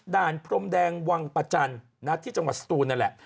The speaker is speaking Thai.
พรมแดงวังประจันทร์ที่จังหวัดสตูนนั่นแหละ